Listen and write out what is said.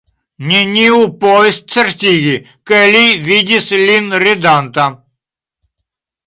Neniu povis certigi, ke li vidis lin ridanta.